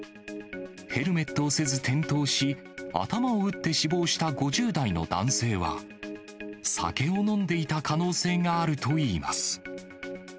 ヘルメットをせず転倒し、頭を打って死亡した５０代の男性は、酒を飲んでいた可能性があるといいます。